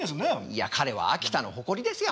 いや彼は秋田の誇りですよ。